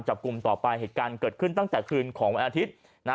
จับกลุ่มต่อไปเหตุการณ์เกิดขึ้นตั้งแต่คืนของวันอาทิตย์นะ